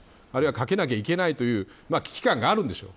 あるいは、かけなきゃいけないという危機感があるでしょう。